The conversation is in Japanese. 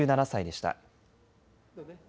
８７歳でした。